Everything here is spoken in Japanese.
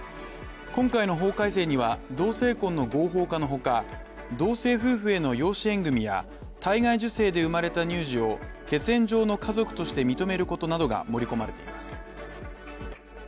今回の法改正には、同性婚の合法化のほか同性夫婦への養子縁組や体外受精で生まれた乳児を血縁上の家族として認めることなどが盛り込まれています。